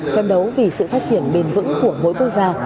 phân đấu vì sự phát triển bền vững của mỗi quốc gia